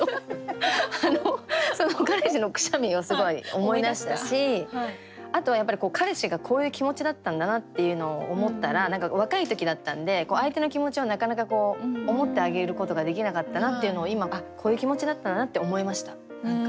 あのその彼氏のくしゃみをすごい思い出したしあとはやっぱり彼氏がこういう気持ちだったんだなっていうのを思ったら何か若い時だったんで相手の気持ちをなかなかこう思ってあげることができなかったなっていうのを今ああこういう気持ちだったんだなって思えました。